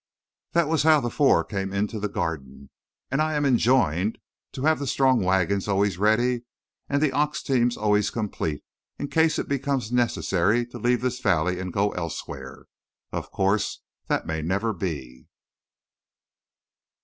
"That was how the four came into the Garden. And I am enjoined to have the strong wagons always ready and the ox teams always complete in case it becomes necessary to leave this valley and go elsewhere. Of course, that may never be."